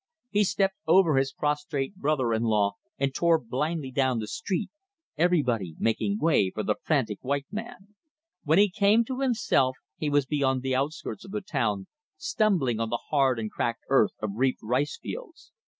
He stepped over his prostrate brother in law and tore blindly down the street, everybody making way for the frantic white man. When he came to himself he was beyond the outskirts of the town, stumbling on the hard and cracked earth of reaped rice fields.